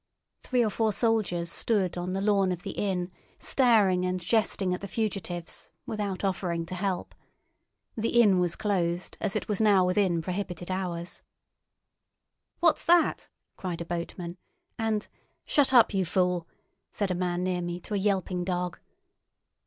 Three or four soldiers stood on the lawn of the inn, staring and jesting at the fugitives, without offering to help. The inn was closed, as it was now within prohibited hours. "What's that?" cried a boatman, and "Shut up, you fool!" said a man near me to a yelping dog.